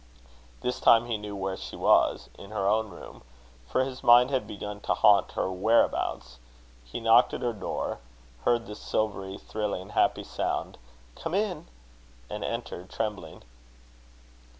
This time he knew where she was in her own room; for his mind had begun to haunt her whereabouts. He knocked at her door, heard the silvery, thrilling, happy sound, "Come in;" and entered trembling.